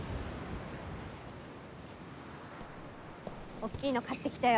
おっきいの買ってきたよ。